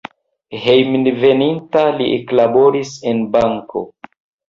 Hejmenveninta li eklaboris en banko.